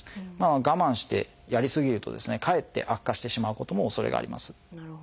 我慢してやりすぎるとですねかえって悪化してしまうおそれがあります。